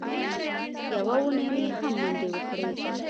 یوه اونۍ مې هم منډې وکړې.